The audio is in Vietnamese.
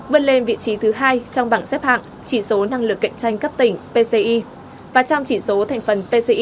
vươn lên vị trí thứ hai trong bảng xếp hạng chỉ số năng lực cạnh tranh cấp tỉnh pci và trong chỉ số thành phần pci